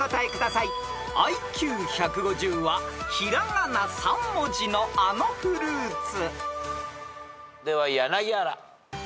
［ＩＱ１５０は平仮名３文字のあのフルーツ］では柳原。